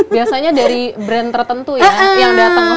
biasanya dari brand tertentu ya yang dateng ke sekolah